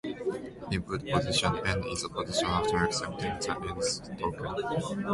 Input position "n" is the position after accepting the "n"th token.